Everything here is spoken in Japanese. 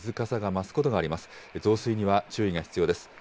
増水には注意が必要です。